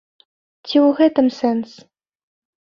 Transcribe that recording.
Ці ў гэтым сэнс?